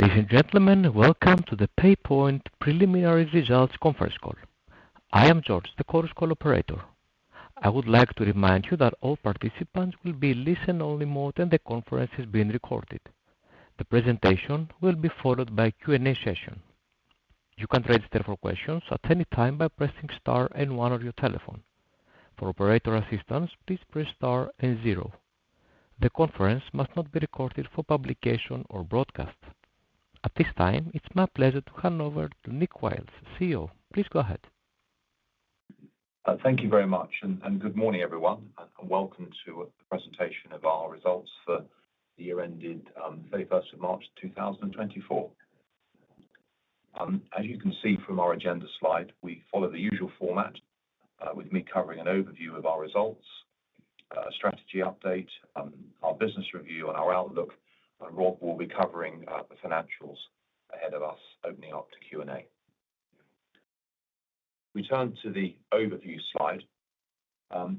Ladies and gentlemen, welcome to the PayPoint Nicholas Wiles Preliminary Results Conference Call. I am George, the call operator. I would like to remind you that all participants will be in listen-only mode, and the conference is being recorded. The presentation will be followed by a Q&A session. You can register for questions at any time by pressing star and one on your telephone. For operator assistance, please press star and zero. The conference must not be recorded for publication or broadcast. At this time, it's my pleasure to hand over to Nick Wiles, CEO. Please go ahead. Thank you very much, and good morning, everyone, and welcome to the presentation of our results for the year ending 31st of March 2024. As you can see from our agenda slide, we follow the usual format, with me covering an overview of our results, a strategy update, our business review, and our outlook, and Rob will be covering the financials ahead of us, opening up to Q&A. We turn to the overview slide.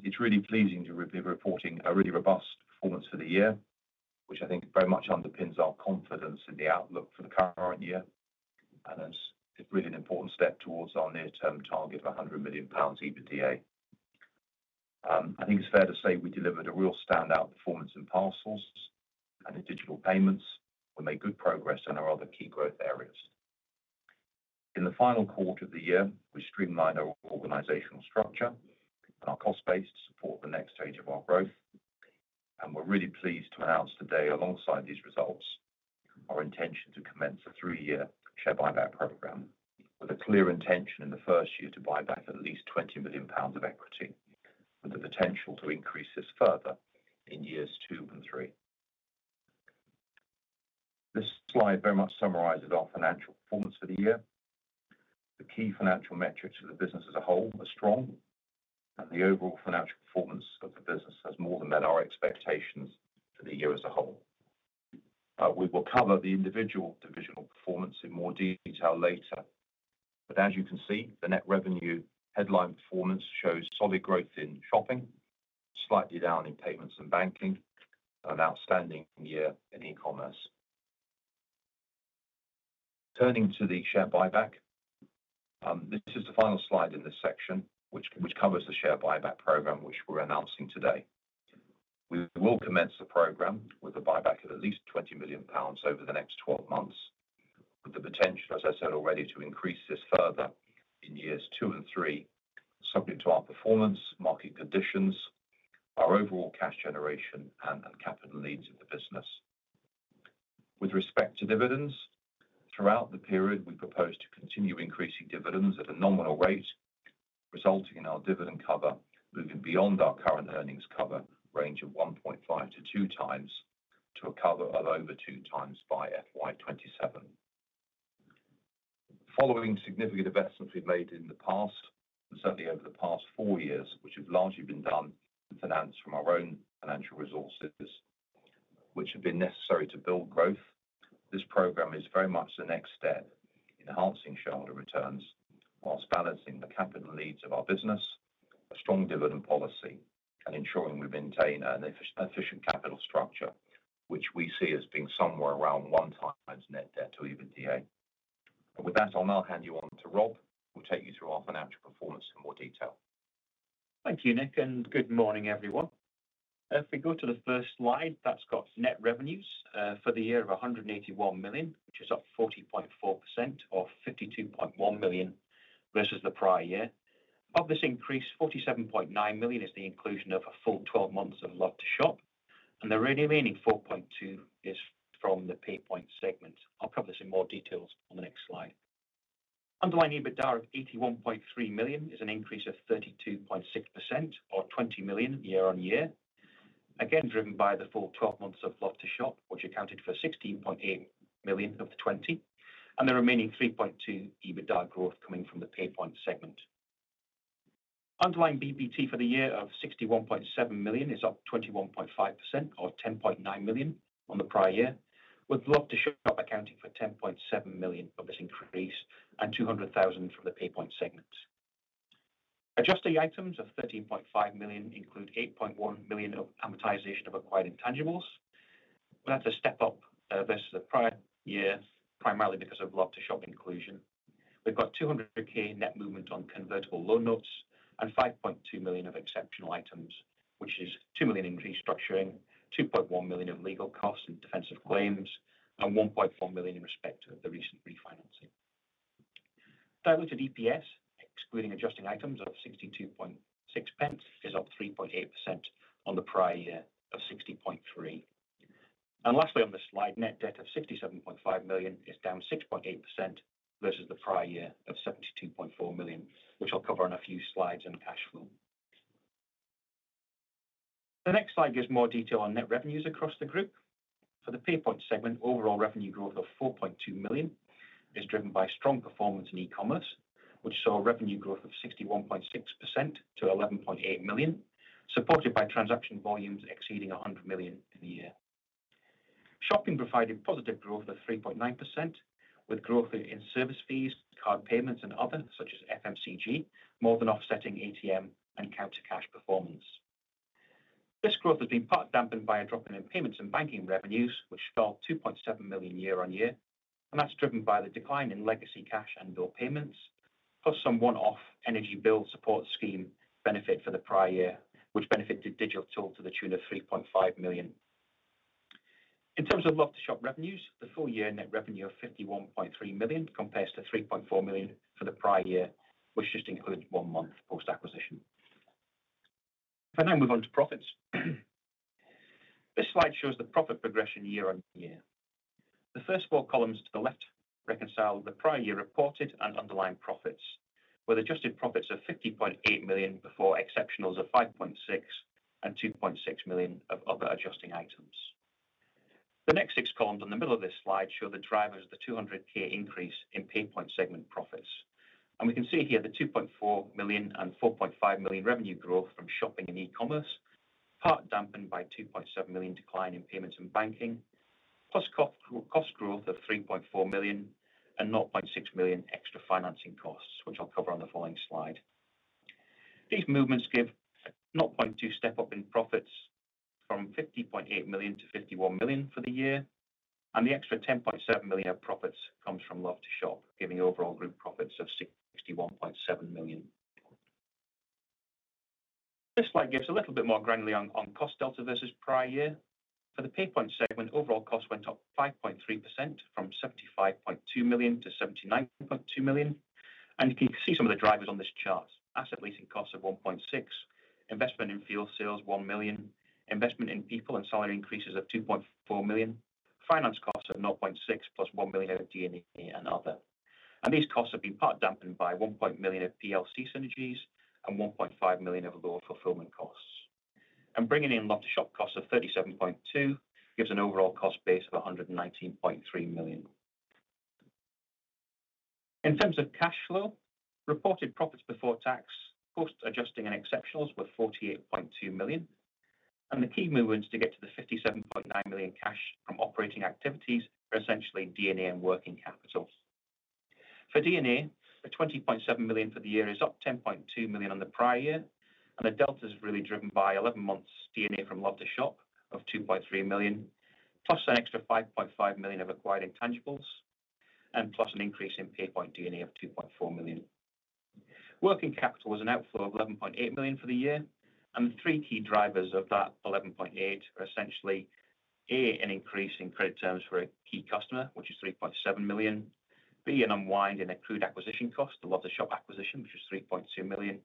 It's really pleasing to be reporting a really robust performance for the year, which I think very much underpins our confidence in the outlook for the current year, and it's really an important step towards our near-term target of 100 million pounds EBITDA. I think it's fair to say we delivered a real standout performance in parcels and in digital payments. We made good progress in our other key growth areas. In the final quarter of the year, we streamlined our organizational structure and our cost base to support the next stage of our growth, and we're really pleased to announce today, alongside these results, our intention to commence a three-year share buyback program, with a clear intention in the first year to buy back at least 20 million pounds of equity, with the potential to increase this further in years two and three. This slide very much summarizes our financial performance for the year. The key financial metrics for the business as a whole are strong, and the overall financial performance of the business has more than met our expectations for the year as a whole. We will cover the individual divisional performance in more detail later, but as you can see, the net revenue headline performance shows solid growth in shopping, slightly down in payments and banking, and an outstanding year in e-commerce. Turning to the share buyback, this is the final slide in this section, which covers the share buyback program, which we're announcing today. We will commence the program with a buyback of at least 20 million pounds over the next 12 months, with the potential, as I said already, to increase this further in years two and three, subject to our performance, market conditions, our overall cash generation, and capital needs of the business. With respect to dividends, throughout the period, we propose to continue increasing dividends at a nominal rate, resulting in our dividend cover moving beyond our current earnings cover range of 1.5-2 times to a cover of over 2 times by FY27. Following significant investments we've made in the past, and certainly over the past 4 years, which have largely been done and financed from our own financial resources, which have been necessary to build growth, this program is very much the next step in enhancing shareholder returns whilst balancing the capital needs of our business, a strong dividend policy, and ensuring we maintain an efficient capital structure, which we see as being somewhere around 1 times net debt to EBITDA. With that, I'll now hand you on to Rob, who will take you through our financial performance in more detail. Thank you, Nick, and good morning, everyone. If we go to the first slide, that's got net revenues for the year of 181 million, which is up 40.4% or 52.1 million versus the prior year. Of this increase, 47.9 million is the inclusion of a full 12 months of Love2shop, and the remaining 4.2 million is from the PayPoint segment. I'll cover this in more detail on the next slide. Underlying EBITDA of 81.3 million is an increase of 32.6% or 20 million year-on-year, again driven by the full 12 months of Love2shop, which accounted for 16.8 million of the 20 million, and the remaining 3.2 million EBITDA growth coming from the PayPoint segment. Underlying PBT for the year of 61.7 million is up 21.5% or 10.9 million on the prior year, with Love2shop accounting for 10.7 million of this increase and 200,000 from the PayPoint segment. Adjusted items of 13.5 million include 8.1 million of amortization of acquired intangibles. That's a step up versus the prior year, primarily because of Love2shop inclusion. We've got 200,000 net movement on convertible loan notes and 5.2 million of exceptional items, which is 2 million in restructuring, 2.1 million of legal costs and defensive claims, and 1.4 million in respect of the recent refinancing. Diluted EPS, excluding adjusting items of 62.6, is up 3.8% on the prior year of 60.3. Lastly, on this slide, net debt of 67.5 million is down 6.8% versus the prior year of 72.4 million, which I'll cover on a few slides and cash flow. The next slide gives more detail on net revenues across the group. For the PayPoint segment, overall revenue growth of 4.2 million is driven by strong performance in e-commerce, which saw revenue growth of 61.6% to 11.8 million, supported by transaction volumes exceeding 100 million in the year. Shopping provided positive growth of 3.9%, with growth in service fees, card payments, and other, such as FMCG, more than offsetting ATM and counter cash performance. This growth has been partly dampened by a drop in payments and banking revenues, which fell 2.7 million year-over-year, and that's driven by the decline in legacy cash and bill payments, plus some one-off energy bill support scheme benefit for the prior year, which benefited Digital Tool to the tune of 3.5 million. In terms of Love2shop revenues, the full year net revenue of 51.3 million compares to 3.4 million for the prior year, which just includes one month post-acquisition. If I now move on to profits, this slide shows the profit progression year-on-year. The first four columns to the left reconcile the prior year reported and underlying profits, with adjusted profits of 50.8 million before exceptionals of 5.6 million and 2.6 million of other adjusting items. The next six columns in the middle of this slide show the drivers of the 200k increase in PayPoint segment profits, and we can see here the 2.4 million and 4.5 million revenue growth from shopping and e-commerce, part dampened by 2.7 million decline in payments and banking, plus cost growth of 3.4 million and 0.6 million extra financing costs, which I'll cover on the following slide. These movements give a 0.2 million step up in profits from 50.8 million to 51 million for the year, and the extra 10.7 million of profits comes from Love2shop, giving overall group profits of 61.7 million. This slide gives a little bit more granular on cost delta versus prior year. For the PayPoint segment, overall costs went up 5.3% from 75.2 million to 79.2 million, and you can see some of the drivers on this chart: asset leasing costs of 1.6 million, investment in fuel sales 1 million, investment in people and salary increases of 2.4 million, finance costs of 0.6 million plus 1 million of D&A and other. These costs have been partly dampened by 1.0 million of PLC synergies and 1.5 million of lower fulfillment costs. Bringing in Love2shop costs of 37.2 million gives an overall cost base of 119.3 million. In terms of cash flow, reported profits before tax post-adjusting and exceptionals were 48.2 million, and the key movements to get to the 57.9 million cash from operating activities are essentially D&A and working capital. For D&A, the 20.7 million for the year is up 10.2 million on the prior year, and the delta is really driven by 11 months D&A from Love2shop of 2.3 million, plus an extra 5.5 million of acquired intangibles, and plus an increase in PayPoint D&A of 2.4 million. Working capital was an outflow of 11.8 million for the year, and the three key drivers of that 11.8 million are essentially: A, an increase in credit terms for a key customer, which is 3.7 million; B, an unwind in accrued acquisition cost, the Love2shop acquisition, which is 3.2 million;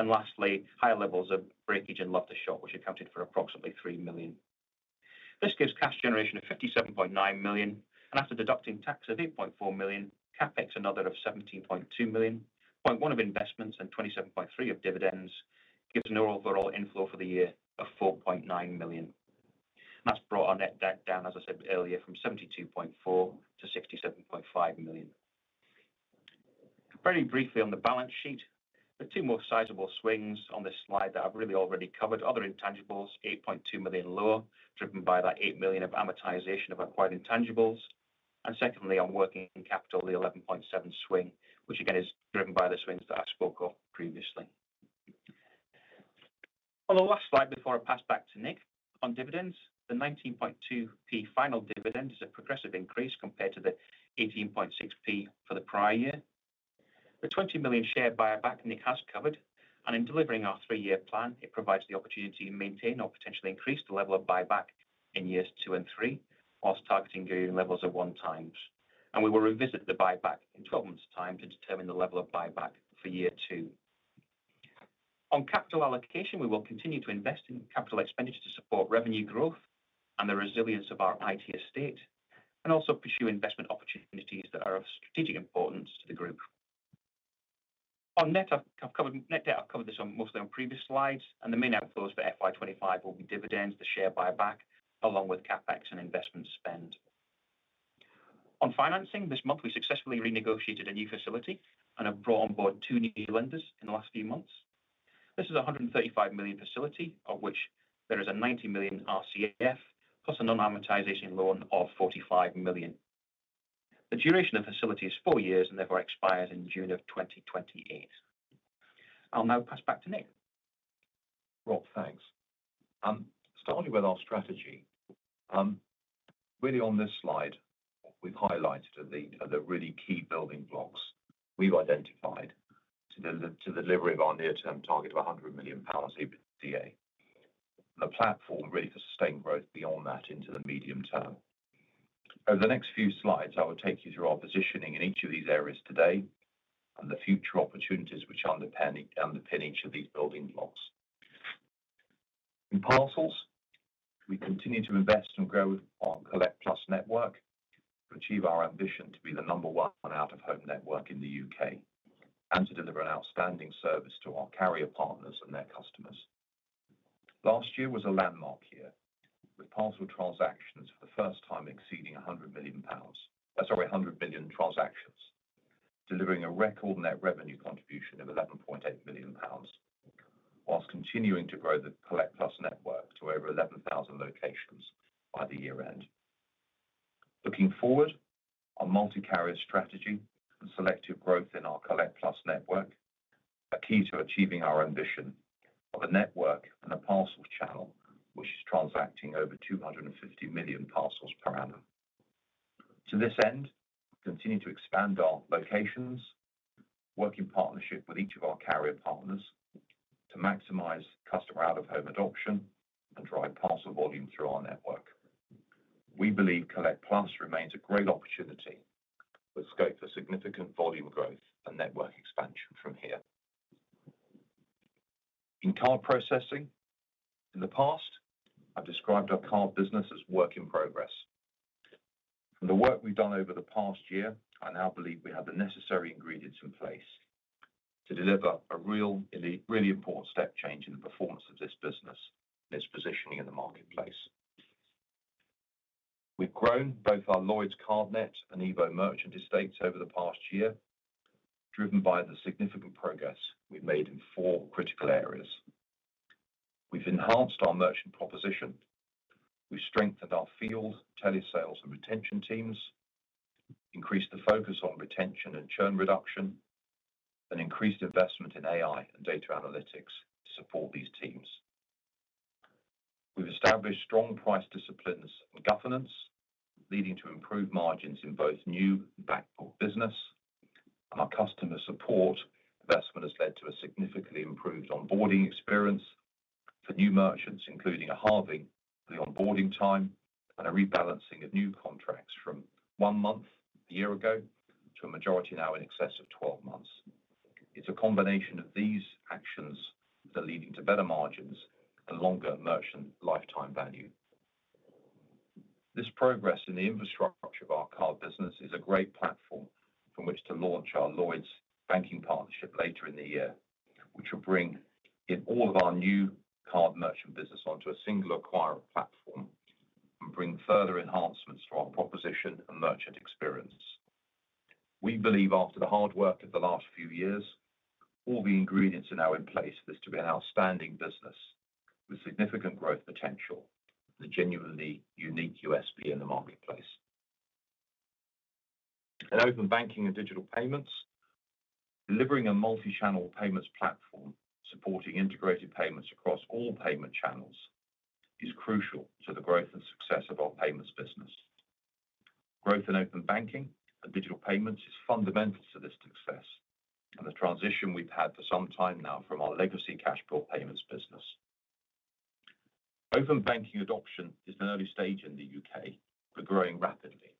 and lastly, higher levels of breakage in Love2shop, which accounted for approximately 3 million. This gives cash generation of 57.9 million, and after deducting tax of 8.4 million, CapEx another of 17.2 million, 0.1 of investments, and 27.3 of dividends gives an overall inflow for the year of 4.9 million. That's brought our net debt down, as I said earlier, from 72.4 to 67.5 million. Very briefly, on the balance sheet, there are two more sizable swings on this slide that I've really already covered: other intangibles, 8.2 million low, driven by that 8 million of amortization of acquired intangibles, and secondly, on working capital, the 11.7 swing, which again is driven by the swings that I spoke of previously. On the last slide, before I pass back to Nick, on dividends, the GBP 19.2p final dividend is a progressive increase compared to the GBP 18.6p for the prior year. The 20 million share buyback Nick has covered, and in delivering our three-year plan, it provides the opportunity to maintain or potentially increase the level of buyback in years two and three, whilst targeting growing levels of one times. We will revisit the buyback in 12 months' time to determine the level of buyback for year two. On capital allocation, we will continue to invest in capital expenditure to support revenue growth and the resilience of our IT estate, and also pursue investment opportunities that are of strategic importance to the group. On net debt, I've covered this mostly on previous slides, and the main outflows for FY25 will be dividends, the share buyback, along with CapEx and investment spend. On financing, this month we successfully renegotiated a new facility and have brought on board two new lenders in the last few months. This is a 135 million facility, of which there is a 90 million RCF, plus a non-amortizing loan of 45 million. The duration of the facility is four years and therefore expires in June of 2028. I'll now pass back to Nick. Rob, thanks. Starting with our strategy, really on this slide, we've highlighted the really key building blocks we've identified to deliver our near-term target of 100 million pounds EBITDA, and the platform really for sustained growth beyond that into the medium term. Over the next few slides, I will take you through our positioning in each of these areas today and the future opportunities which underpin each of these building blocks. In parcels, we continue to invest and grow with our CollectPlus network to achieve our ambition to be the number one out-of-home network in the U.K. and to deliver an outstanding service to our carrier partners and their customers. Last year was a landmark year with parcel transactions for the first time exceeding 100 million transactions, delivering a record net revenue contribution of 11.8 million pounds, whilst continuing to grow the CollectPlus network to over 11,000 locations by the year-end. Looking forward, our multi-carrier strategy and selective growth in our CollectPlus network are key to achieving our ambition of a network and a parcel channel which is transacting over 250 million parcels per annum. To this end, we continue to expand our locations, work in partnership with each of our carrier partners to maximize customer out-of-home adoption and drive parcel volume through our network. We believe CollectPlus remains a great opportunity with scope for significant volume growth and network expansion from here. In card processing, in the past, I've described our card business as work in progress. From the work we've done over the past year, I now believe we have the necessary ingredients in place to deliver a really important step change in the performance of this business and its positioning in the marketplace. We've grown both our Lloyds Cardnet and EVO merchant estates over the past year, driven by the significant progress we've made in four critical areas. We've enhanced our merchant proposition. We've strengthened our field, tele-sales, and retention teams, increased the focus on retention and churn reduction, and increased investment in AI and data analytics to support these teams. We've established strong price disciplines and governance, leading to improved margins in both new and back-order business, and our customer support investment has led to a significantly improved onboarding experience for new merchants, including a halving of the onboarding time and a rebalancing of new contracts from one month a year ago to a majority now in excess of 12 months. It's a combination of these actions that are leading to better margins and longer merchant lifetime value. This progress in the infrastructure of our card business is a great platform from which to launch our Lloyds Bank partnership later in the year, which will bring in all of our new card merchant business onto a single acquirer platform and bring further enhancements to our proposition and merchant experience. We believe after the hard work of the last few years, all the ingredients are now in place for this to be an outstanding business with significant growth potential and a genuinely unique USP in the marketplace. In Open Banking and digital payments, delivering a multi-channel payments platform supporting integrated payments across all payment channels is crucial to the growth and success of our payments business. Growth in Open Banking and digital payments is fundamental to this success and the transition we've had for some time now from our legacy cash bill payments business. Open banking adoption is an early stage in the U.K., but growing rapidly.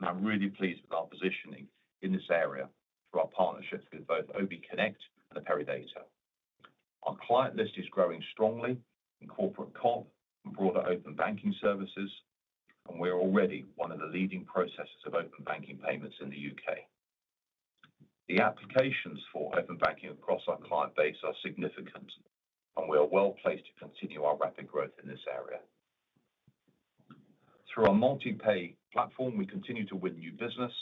I'm really pleased with our positioning in this area through our partnerships with both OBConnect and Peridata. Our client list is growing strongly in corporate CoP and broader open banking services, and we're already one of the leading processors of open banking payments in the U.K. The applications for open banking across our client base are significant, and we are well placed to continue our rapid growth in this area. Through our MultiPay platform, we continue to win new business,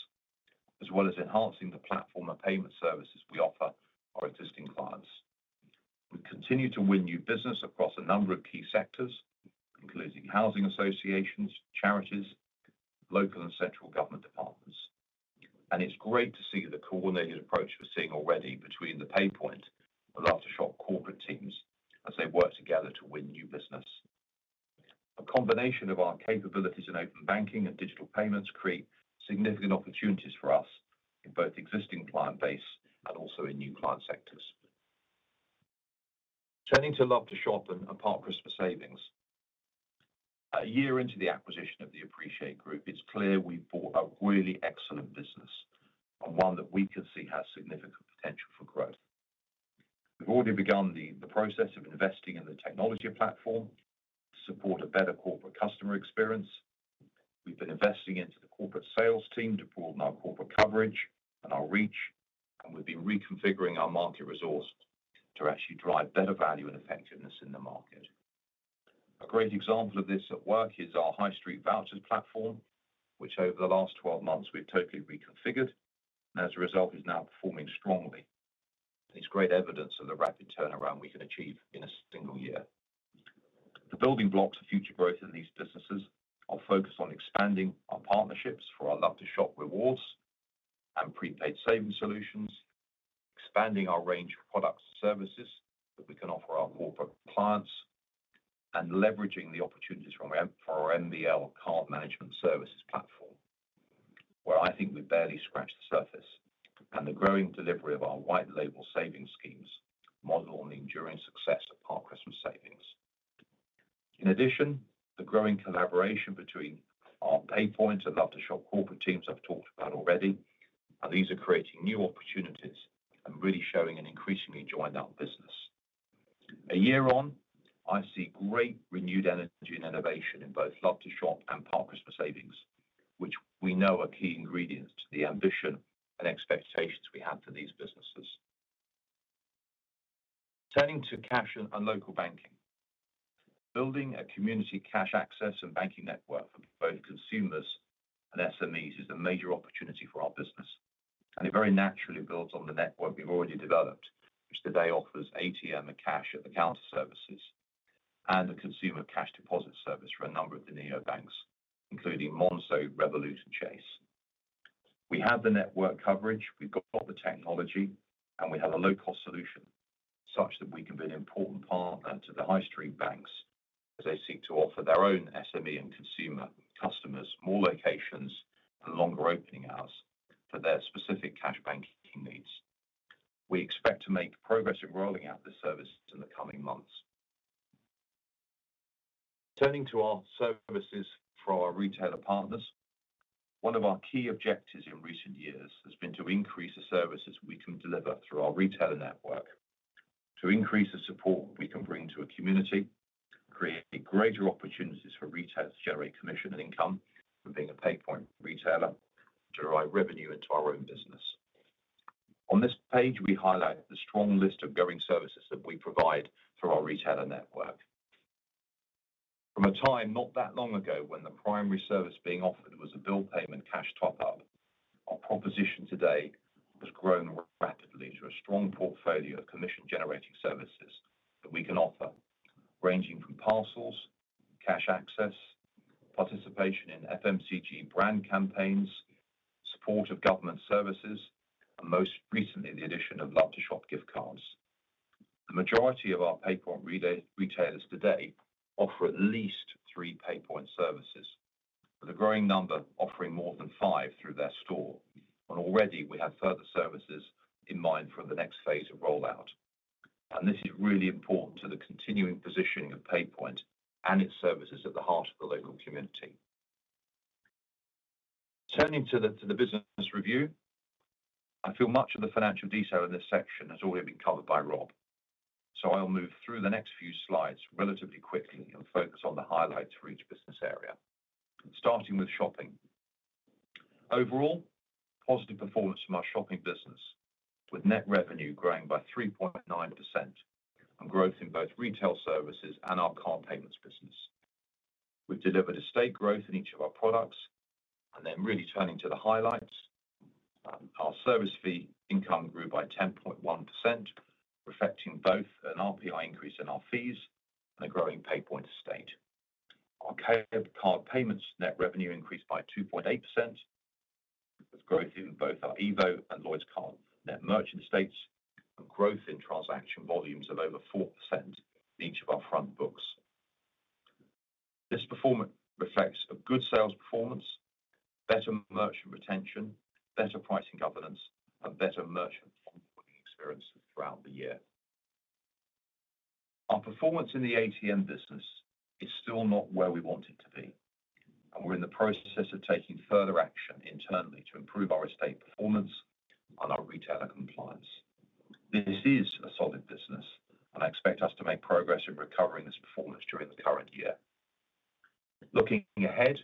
as well as enhancing the platform and payment services we offer our existing clients. We continue to win new business across a number of key sectors, including housing associations, charities, local and central government departments. It's great to see the coordinated approach we're seeing already between the PayPoint and Love2shop corporate teams as they work together to win new business. A combination of our capabilities in Open Banking and digital payments creates significant opportunities for us in both existing client base and also in new client sectors. Turning to Love2shop, and apart from savings. A year into the acquisition of the Appreciate Group, it's clear we've bought a really excellent business and one that we can see has significant potential for growth. We've already begun the process of investing in the technology platform to support a better corporate customer experience. We've been investing into the corporate sales team to broaden our corporate coverage and our reach, and we've been reconfiguring our market resource to actually drive better value and effectiveness in the market. A great example of this at work is our High Street Vouchers platform, which over the last 12 months we've totally reconfigured, and as a result, is now performing strongly. It's great evidence of the rapid turnaround we can achieve in a single year. The building blocks of future growth in these businesses are focused on expanding our partnerships for our Love2shop rewards and prepaid savings solutions, expanding our range of products and services that we can offer our corporate clients, and leveraging the opportunities from our MBL card management services platform, where I think we've barely scratched the surface and the growing delivery of our white label savings schemes model on the enduring success of Park Christmas Savings. In addition, the growing collaboration between our PayPoint and Love2shop corporate teams I've talked about already, and these are creating new opportunities and really showing an increasingly joined-up business. A year on, I see great renewed energy and innovation in both Love2shop and Park Christmas Savings, which we know are key ingredients to the ambition and expectations we have for these businesses. Turning to cash and local banking, building a community cash access and banking network for both consumers and SMEs is a major opportunity for our business. It very naturally builds on the network we've already developed, which today offers ATM and cash at the counter services and a consumer cash deposit service for a number of the neobanks, including Monzo, Revolut, and Chase. We have the network coverage, we've got the technology, and we have a low-cost solution such that we can be an important partner to the high-street banks as they seek to offer their own SME and consumer customers more locations and longer opening hours for their specific cash banking needs. We expect to make progress in rolling out the services in the coming months. Turning to our services for our retailer partners, one of our key objectives in recent years has been to increase the services we can deliver through our retailer network, to increase the support we can bring to a community, create greater opportunities for retailers to generate commission and income from being a PayPoint retailer, to drive revenue into our own business. On this page, we highlight the strong list of growing services that we provide through our retailer network. From a time not that long ago when the primary service being offered was a bill payment cash top-up, our proposition today has grown rapidly to a strong portfolio of commission-generating services that we can offer, ranging from parcels, cash access, participation in FMCG brand campaigns, support of government services, and most recently, the addition of Love2shop gift cards. The majority of our PayPoint retailers today offer at least three PayPoint services, with a growing number offering more than five through their store. Already, we have further services in mind for the next phase of rollout. This is really important to the continuing positioning of PayPoint and its services at the heart of the local community. Turning to the business review, I feel much of the financial detail in this section has already been covered by Rob, so I'll move through the next few slides relatively quickly and focus on the highlights for each business area, starting with shopping. Overall, positive performance from our shopping business, with net revenue growing by 3.9% and growth in both retail services and our card payments business. We've delivered estate growth in each of our products. And then really turning to the highlights, our service fee income grew by 10.1%, reflecting both an RPI increase in our fees and a growing PayPoint estate. Our card payments net revenue increased by 2.8%, with growth in both our Evo and Lloyds Cardnet merchant estates and growth in transaction volumes of over 4% in each of our front books. This performance reflects a good sales performance, better merchant retention, better pricing governance, and better merchant onboarding experience throughout the year. Our performance in the ATM business is still not where we want it to be, and we're in the process of taking further action internally to improve our estate performance and our retailer compliance. This is a solid business, and I expect us to make progress in recovering this performance during the current year. Looking ahead,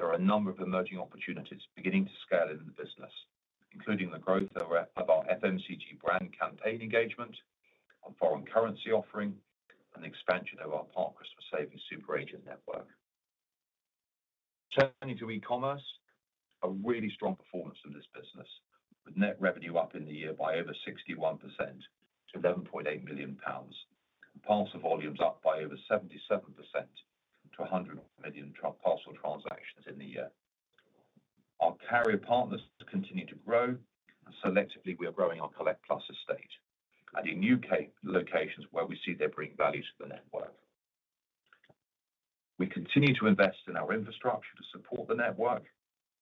there are a number of emerging opportunities beginning to scale in the business, including the growth of our FMCG brand campaign engagement and foreign currency offering and the expansion of our Park Christmas Savings Super Agent network. Turning to e-commerce, a really strong performance in this business, with net revenue up in the year by over 61% to 11.8 million pounds, and parcel volumes up by over 77% to 100 million parcel transactions in the year. Our carrier partners continue to grow, and selectively, we are growing our CollectPlus estate, adding new locations where we see they bring value to the network. We continue to invest in our infrastructure to support the network,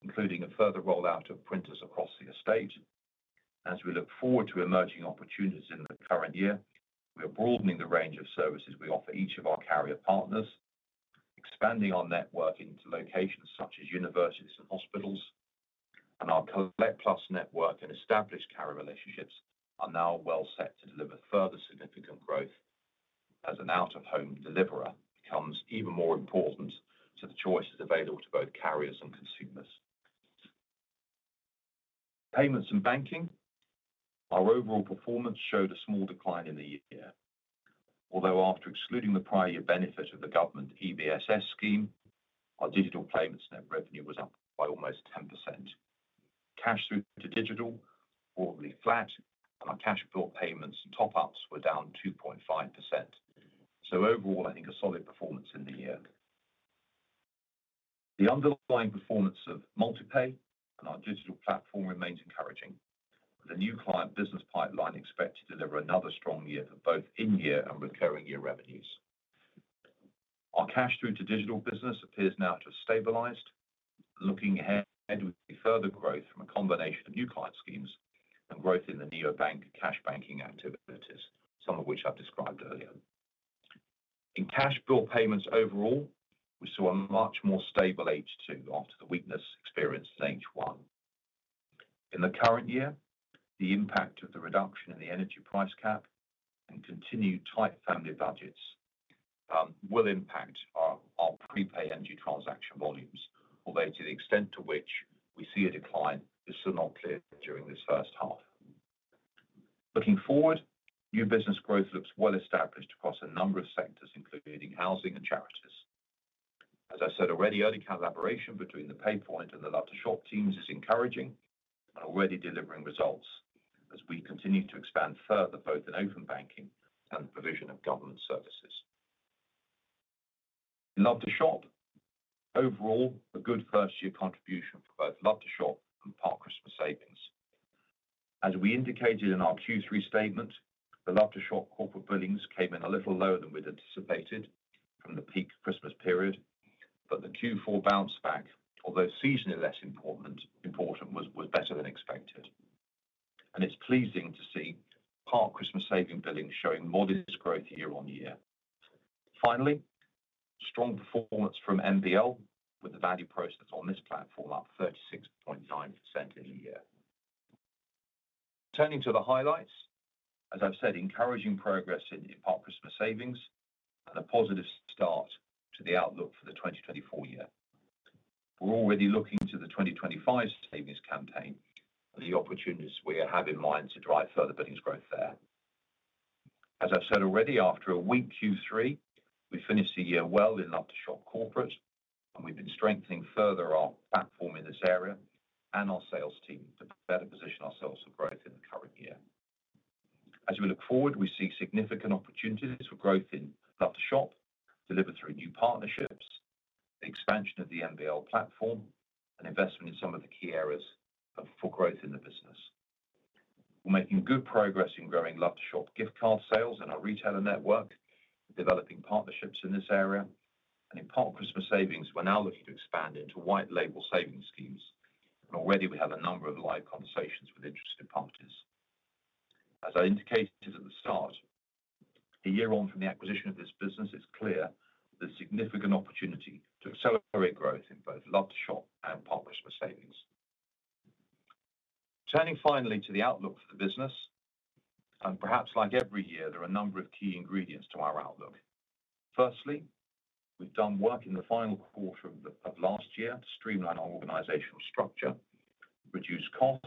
including a further rollout of printers across the estate. As we look forward to emerging opportunities in the current year, we are broadening the range of services we offer each of our carrier partners, expanding our network into locations such as universities and hospitals. Our CollectPlus network and established carrier relationships are now well set to deliver further significant growth as an out-of-home deliverer becomes even more important to the choices available to both carriers and consumers. Payments and banking, our overall performance showed a small decline in the year. Although after excluding the prior year benefit of the government EBSS scheme, our digital payments net revenue was up by almost 10%. Cash through to digital was flat, and our cash-pool payments and top-ups were down 2.5%. So overall, I think a solid performance in the year. The underlying performance of MultiPay and our digital platform remains encouraging, with a new client business pipeline expected to deliver another strong year for both in-year and recurring year revenues. Our cash through to digital business appears now to have stabilized, looking ahead with further growth from a combination of new client schemes and growth in the neobank cash banking activities, some of which I've described earlier. In cash-pool payments overall, we saw a much more stable H2 after the weakness experienced in H1. In the current year, the impact of the reduction in the energy price cap and continued tight family budgets will impact our prepay energy transaction volumes, although to the extent to which we see a decline is still not clear during this first half. Looking forward, new business growth looks well established across a number of sectors, including housing and charities. As I said already, early collaboration between the PayPoint and the Love2shop teams is encouraging and already delivering results as we continue to expand further both in Open Banking and the provision of government services. In Love2shop, overall, a good first-year contribution for both Love2shop and Park Christmas Savings. As we indicated in our Q3 statement, the Love2shop corporate billings came in a little lower than we'd anticipated from the peak Christmas period, but the Q4 bounce back, although seasonally less important, was better than expected. It's pleasing to see Park Christmas Savings billings showing modest growth year-on-year. Finally, strong performance from MBL with the value processed on this platform up 36.9% in a year. Turning to the highlights, as I've said, encouraging progress in Park Christmas Savings and a positive start to the outlook for the 2024 year. We're already looking to the 2025 savings campaign and the opportunities we have in mind to drive further billings growth there. As I've said already, after a weak Q3, we finished the year well in Love2shop corporate, and we've been strengthening further our platform in this area and our sales team to better position ourselves for growth in the current year. As we look forward, we see significant opportunities for growth in Love2shop, delivered through new partnerships, the expansion of the MBL platform, and investment in some of the key areas for growth in the business. We're making good progress in growing Love2shop gift card sales in our retailer network, developing partnerships in this area, and in Park Christmas Savings, we're now looking to expand into white label savings schemes, and already we have a number of live conversations with interested parties. As I indicated at the start, a year on from the acquisition of this business, it's clear there's significant opportunity to accelerate growth in both Love2shop and Park Christmas Savings. Turning finally to the outlook for the business, and perhaps like every year, there are a number of key ingredients to our outlook. Firstly, we've done work in the final quarter of last year to streamline our organizational structure, reduce costs,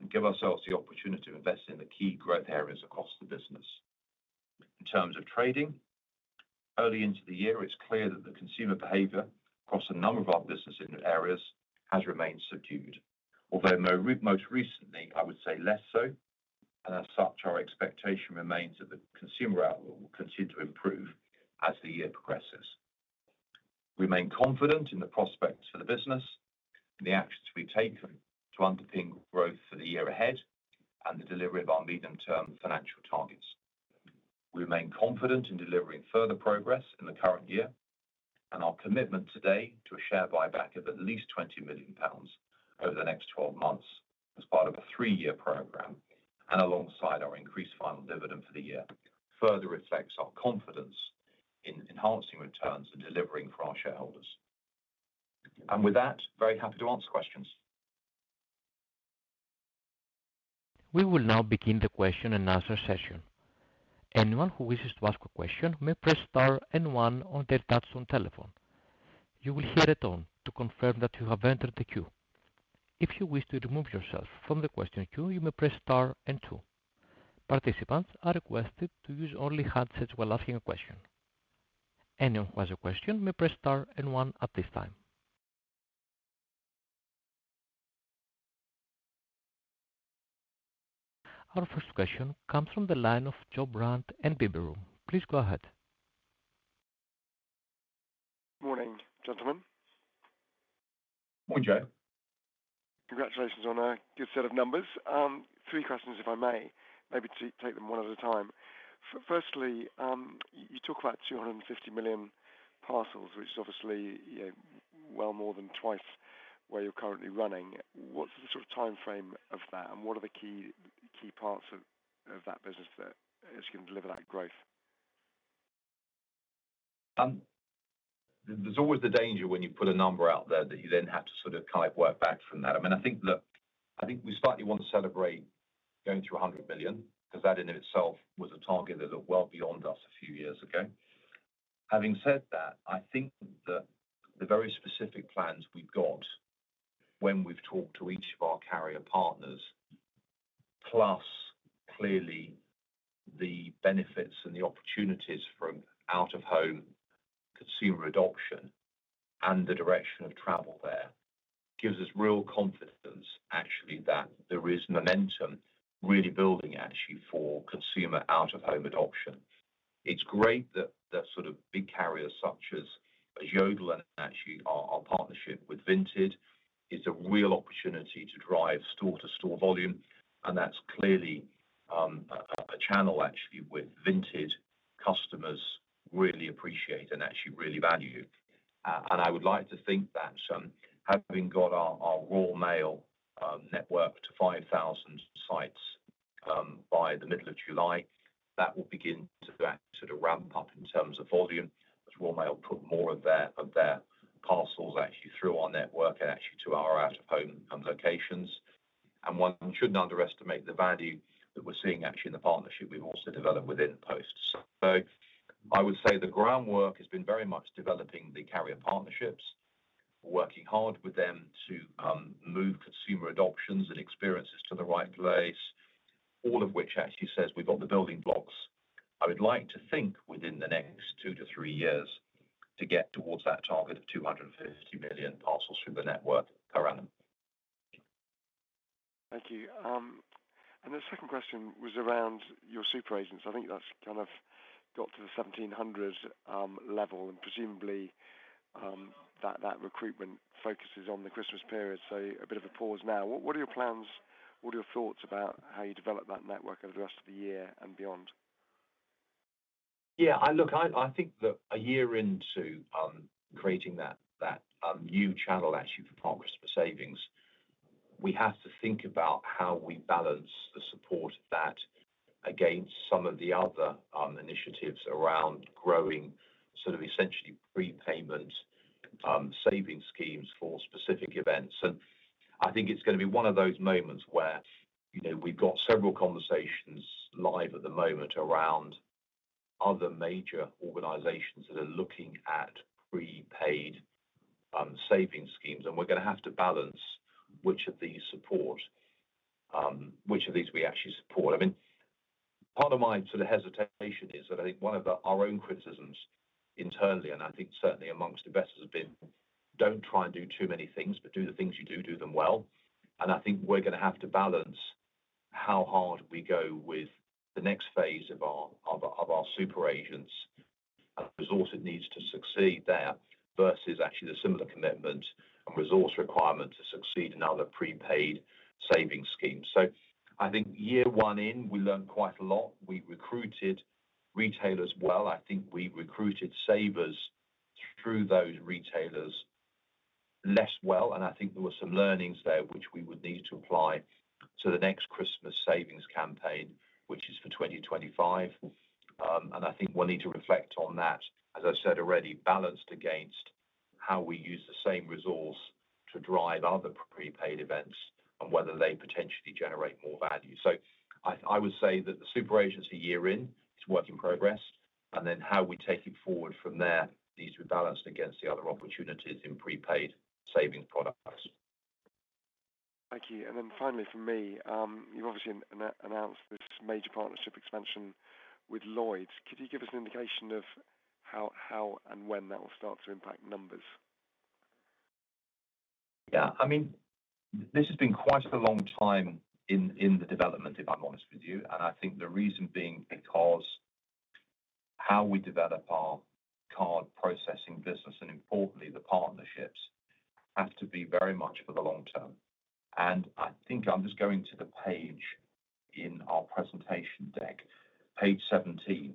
and give ourselves the opportunity to invest in the key growth areas across the business. In terms of trading, early into the year, it's clear that the consumer behavior across a number of our business areas has remained subdued, although most recently, I would say less so, and as such, our expectation remains that the consumer outlook will continue to improve as the year progresses. We remain confident in the prospects for the business and the actions we've taken to underpin growth for the year ahead and the delivery of our medium-term financial targets. We remain confident in delivering further progress in the current year, and our commitment today to a Share Buyback of at least 20 million pounds over the next 12 months as part of a 3-year program and alongside our increased final dividend for the year further reflects our confidence in enhancing returns and delivering for our shareholders. And with that, very happy to answer questions. We will now begin the question and answer session. Anyone who wishes to ask a question may press star and one on their DTMF telephone. You will hear a tone to confirm that you have entered the queue. If you wish to remove yourself from the question queue, you may press star and two. Participants are requested to use only handsets while asking a question. Anyone who has a question may press star and one at this time. Our first question comes from the line of Joe Brent and Liberum. Please go ahead. Good morning, gentlemen. Morning, Joe. Congratulations on a good set of numbers. Three questions, if I may, maybe take them one at a time. Firstly, you talk about 250 million parcels, which is obviously well more than twice where you're currently running. What's the sort of timeframe of that, and what are the key parts of that business that is going to deliver that growth? There's always the danger when you put a number out there that you then have to sort of kind of work back from that. I mean, I think we slightly want to celebrate going through 100 million because that in and of itself was a target that looked well beyond us a few years ago. Having said that, I think that the very specific plans we've got when we've talked to each of our carrier partners, plus clearly the benefits and the opportunities from out-of-home consumer adoption and the direction of travel there, gives us real confidence, actually, that there is momentum really building actually for consumer out-of-home adoption. It's great that sort of big carriers such as Yodel and actually our partnership with Vinted is a real opportunity to drive store-to-store volume, and that's clearly a channel actually with Vinted customers really appreciate and actually really value. I would like to think that having got our Royal Mail network to 5,000 sites by the middle of July, that will begin to sort of ramp up in terms of volume as Royal Mail put more of their parcels actually through our network and actually to our out-of-home locations. One shouldn't underestimate the value that we're seeing actually in the partnership we've also developed with InPost. I would say the groundwork has been very much developing the carrier partnerships, working hard with them to move consumer adoptions and experiences to the right place, all of which actually says we've got the building blocks. I would like to think within the next 2-3 years to get towards that target of 250 million parcels through the network per annum. Thank you. The second question was around your Super Agents. I think that's kind of got to the 1,700 level, and presumably that recruitment focuses on the Christmas period, so a bit of a pause now. What are your plans? What are your thoughts about how you develop that network over the rest of the year and beyond? Yeah. Look, I think that a year into creating that new channel actually for Park Christmas Savings, we have to think about how we balance the support of that against some of the other initiatives around growing sort of essentially prepayment savings schemes for specific events. And I think it's going to be one of those moments where we've got several conversations live at the moment around other major organizations that are looking at prepaid savings schemes, and we're going to have to balance which of these support, which of these we actually support. I mean, part of my sort of hesitation is that I think one of our own criticisms internally, and I think certainly amongst investors, have been, "Don't try and do too many things, but do the things you do, do them well." And I think we're going to have to balance how hard we go with the next phase of our Super Agents and resource it needs to succeed there versus actually the similar commitment and resource requirement to succeed in other prepaid savings schemes. So I think year one in, we learned quite a lot. We recruited retailers well. I think we recruited savers through those retailers less well, and I think there were some learnings there which we would need to apply to the next Christmas savings campaign, which is for 2025. I think we'll need to reflect on that, as I said already, balanced against how we use the same resource to drive other prepaid events and whether they potentially generate more value. I would say that the super agency year in is work in progress, and then how we take it forward from there needs to be balanced against the other opportunities in prepaid savings products. Thank you. Then finally for me, you've obviously announced this major partnership expansion with Lloyds. Could you give us an indication of how and when that will start to impact numbers? Yeah. I mean, this has been quite a long time in the development, if I'm honest with you, and I think the reason being because how we develop our card processing business, and importantly, the partnerships, has to be very much for the long term. I think I'm just going to the page in our presentation deck, page 17.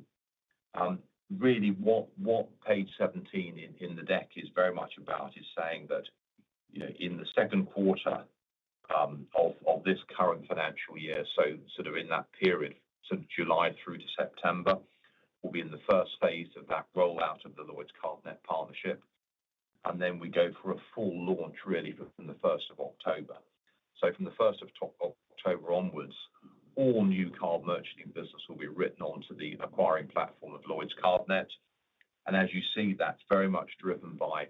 Really, what page 17 in the deck is very much about is saying that in the second quarter of this current financial year, so sort of in that period, so July through to September, we'll be in the first phase of that rollout of the Lloyds Cardnet partnership, and then we go for a full launch really from the 1st of October. So from the 1st of October onwards, all new card merchanting business will be written onto the acquiring platform of Lloyds Cardnet. And as you see, that's very much driven by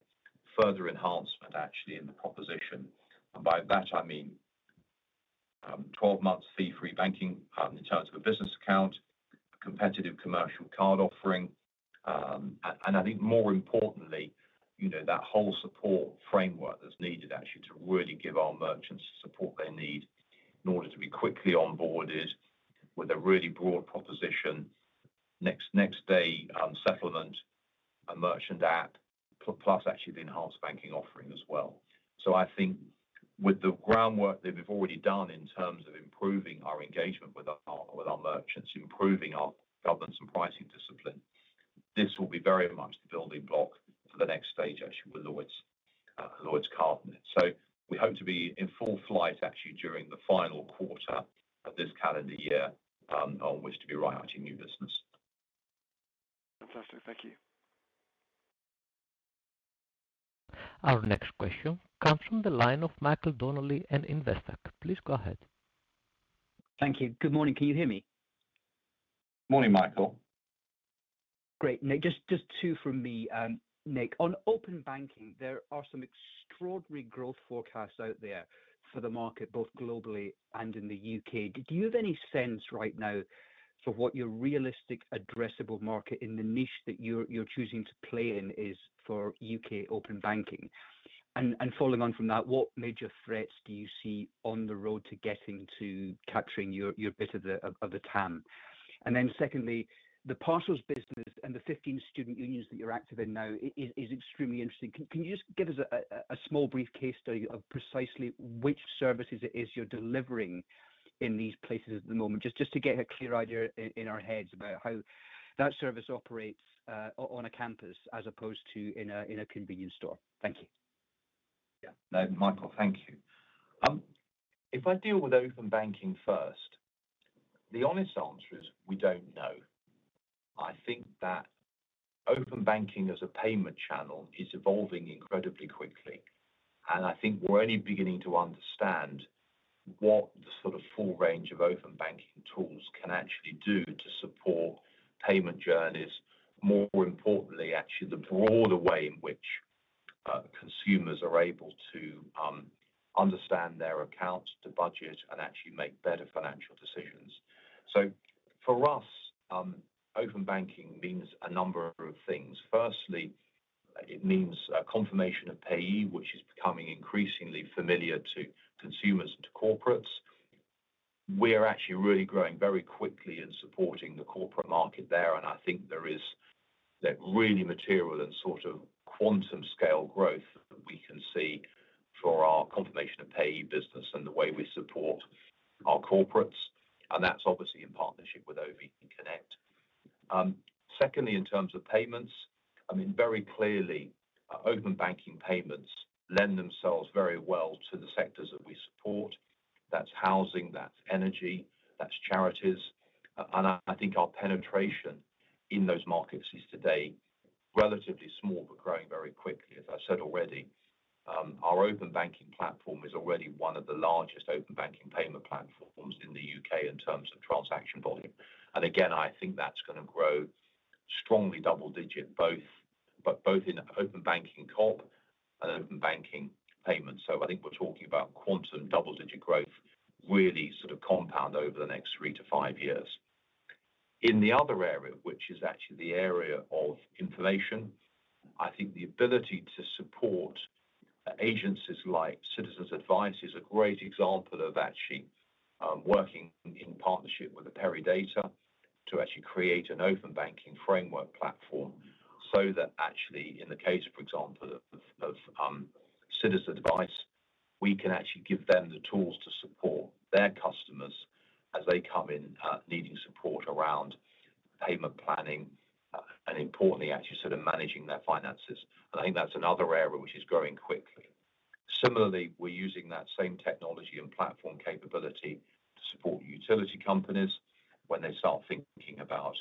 further enhancement actually in the proposition. And by that, I mean 12 months fee-free banking in terms of a business account, a competitive commercial card offering, and I think more importantly, that whole support framework that's needed actually to really give our merchants the support they need in order to be quickly onboarded with a really broad proposition, next-day settlement, a merchant app, plus actually the enhanced banking offering as well. So I think with the groundwork that we've already done in terms of improving our engagement with our merchants, improving our governance and pricing discipline, this will be very much the building block for the next stage actually with Lloyds Cardnet. So we hope to be in full flight actually during the final quarter of this calendar year on which to be writing new business. Fantastic. Thank you. Our next question comes from the line of Michael Donnelly and Investec. Please go ahead. Thank you. Good morning. Can you hear me? Morning, Michael. Great. Nick, just two from me. Nick, on Open Banking, there are some extraordinary growth forecasts out there for the market, both globally and in the U.K. Do you have any sense right now for what your realistic addressable market in the niche that you're choosing to play in is for U.K. Open Banking? And following on from that, what major threats do you see on the road to getting to capturing your bit of the TAM? And then secondly, the parcels business and the 15 student unions that you're active in now is extremely interesting. Can you just give us a small brief case study of precisely which services it is you're delivering in these places at the moment, just to get a clear idea in our heads about how that service operates on a campus as opposed to in a convenience store? Thank you. Yeah. Michael, thank you. If I deal with Open Banking first, the honest answer is we don't know. I think that Open Banking as a payment channel is evolving incredibly quickly, and I think we're only beginning to understand what the sort of full range of Open Banking tools can actually do to support payment journeys, more importantly, actually the broader way in which consumers are able to understand their accounts, to budget, and actually make better financial decisions. So for us, Open Banking means a number of things. Firstly, it means Confirmation of Payee, which is becoming increasingly familiar to consumers and to corporates. We are actually really growing very quickly in supporting the corporate market there, and I think there is really material and sort of quantum scale growth that we can see for our Confirmation of Payee business and the way we support our corporates, and that's obviously in partnership with OBConnect. Secondly, in terms of payments, I mean, very clearly, Open Banking payments lend themselves very well to the sectors that we support. That's housing, that's energy, that's charities, and I think our penetration in those markets is today relatively small but growing very quickly. As I said already, our Open Banking platform is already one of the largest Open Banking payment platforms in the UK in terms of transaction volume. And again, I think that's going to grow strongly double-digit, both in Open Banking CoP and Open Banking payments. So I think we're talking about quantum double-digit growth really sort of compound over the next three to five years. In the other area, which is actually the area of information, I think the ability to support agencies like Citizens Advice is a great example of actually working in partnership with Perridata to actually create an Open Banking framework platform so that actually, in the case, for example, of Citizens Advice, we can actually give them the tools to support their customers as they come in needing support around payment planning and, importantly, actually sort of managing their finances. And I think that's another area which is growing quickly. Similarly, we're using that same technology and platform capability to support utility companies when they start thinking about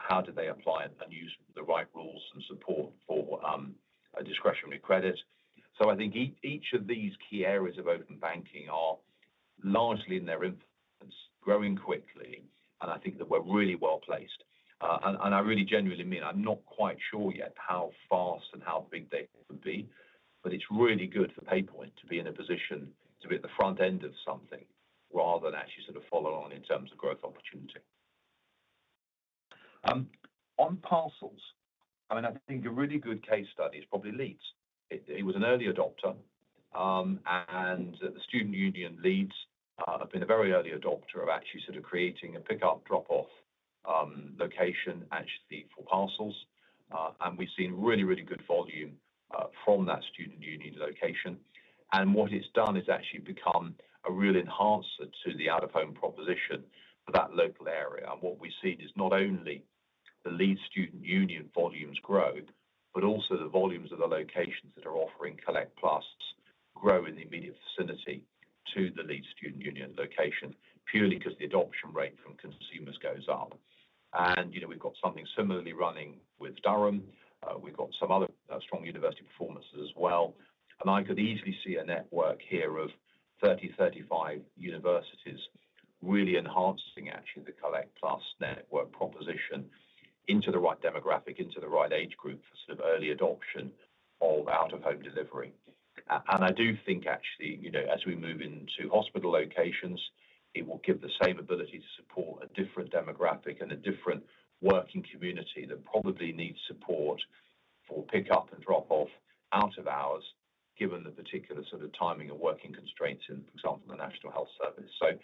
how do they apply and use the right rules and support for discretionary credit. So I think each of these key areas of Open Banking are largely in their infancy, growing quickly, and I think that we're really well placed. And I really genuinely mean I'm not quite sure yet how fast and how big they can be, but it's really good for PayPoint to be in a position to be at the front end of something rather than actually sort of follow on in terms of growth opportunity. On parcels, I mean, I think a really good case study is probably Leeds. It was an early adopter, and the student union Leeds have been a very early adopter of actually sort of creating a pickup drop-off location actually for parcels, and we've seen really, really good volume from that student union location. What it's done is actually become a real enhancer to the out-of-home proposition for that local area. What we've seen is not only the Leeds Student Union volumes grow, but also the volumes of the locations that are offering Collect+ grow in the immediate vicinity to the Leeds Student Union location purely because the adoption rate from consumers goes up. We've got something similarly running with Durham. We've got some other strong university performances as well. I could easily see a network here of 30-35 universities really enhancing actually the CollectPlus network proposition into the right demographic, into the right age group for sort of early adoption of out-of-home delivery. I do think actually as we move into hospital locations, it will give the same ability to support a different demographic and a different working community that probably needs support for pickup and drop-off out of hours given the particular sort of timing of working constraints in, for example, the National Health Service.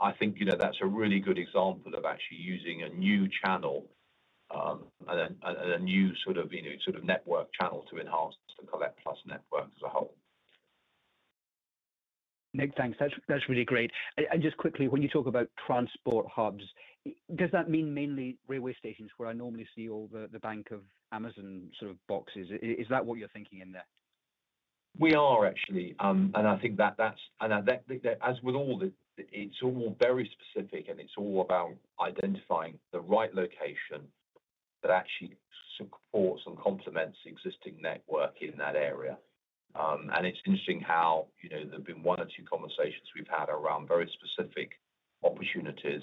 I think that's a really good example of actually using a new channel and a new sort of network channel to enhance the CollectPlus network as a whole. Nick, thanks. That's really great. And just quickly, when you talk about transport hubs, does that mean mainly railway stations where I normally see all the banks and Amazon sort of boxes? Is that what you're thinking in there? We are actually. And I think that that's, as with all, it's all very specific, and it's all about identifying the right location that actually supports and complements existing network in that area. And it's interesting how there have been one or two conversations we've had around very specific opportunities.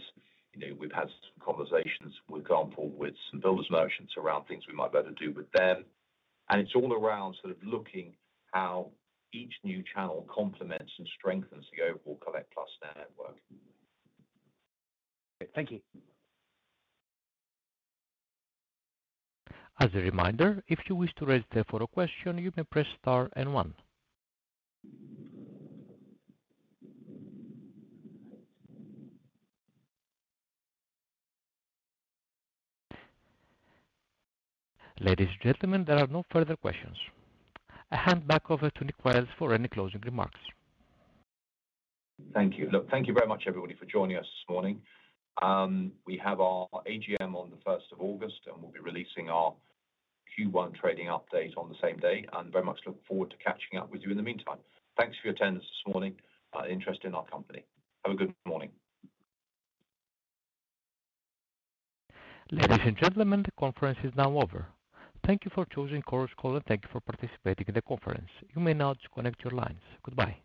We've had some conversations for example with some builders merchants around things we might be able to do with them. And it's all around sort of looking how each new channel complements and strengthens the overall Collect+ network. Thank you. As a reminder, if you wish to register for a question, you may press star and one. Ladies and gentlemen, there are no further questions. I hand back over to Nick Wiles for any closing remarks. Thank you. Look, thank you very much, everybody, for joining us this morning. We have our AGM on the 1st of August, and we'll be releasing our Q1 trading update on the same day. And very much look forward to catching up with you in the meantime. Thanks for your attendance this morning. Interest in our company. Have a good morning. Ladies and gentlemen, the conference is now over. Thank you for choosing Chorus Call, and thank you for participating in the conference. You may now disconnect your lines. Goodbye.